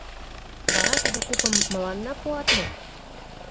Вара тудо купым мыланна пуат мо?»